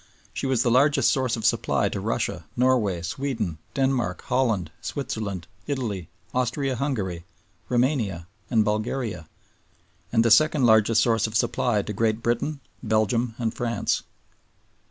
She was the largest source of supply to Russia, Norway, Sweden, Denmark, Holland, Switzerland, Italy, Austria Hungary, Roumania, and Bulgaria; and the second largest source of supply to Great Britain, Belgium, and France.